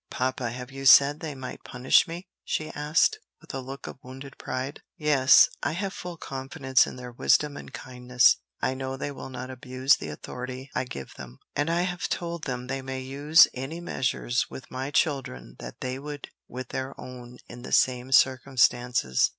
"Papa, have you said they might punish me?" she asked, with a look of wounded pride. "Yes; I have full confidence in their wisdom and kindness. I know they will not abuse the authority I give them, and I have told them they may use any measures with my children that they would with their own in the same circumstances.